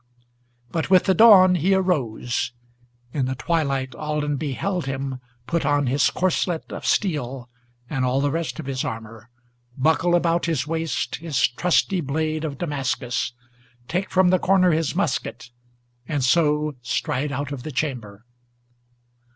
But with the dawn he arose; in the twilight Alden beheld him Put on his corselet of steel, and all the rest of his armor, Buckle about his waist his trusty blade of Damascus, Take from the corner his musket, and so stride out of the chamber.